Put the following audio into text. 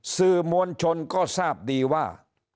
สื่อมวลชนก็ทราบดีว่า